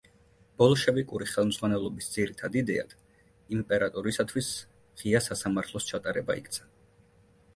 ბოლშევიკური ხელმძღვანელობის ძირითად იდეად იმპერატორისათვის ღია სასამართლოს ჩატარება იქცა.